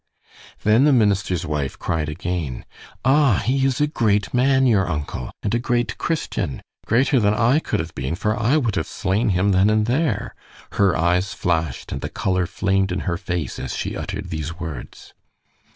Then the minister's wife cried again: "Ah, he is a great man, your uncle! And a great Christian. Greater than I could have been, for I would have slain him then and there." Her eyes flashed, and the color flamed in her face as she uttered these words.